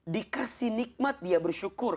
dikasih nikmat dia bersyukur